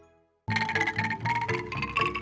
karena disuruh datang angklung tersebut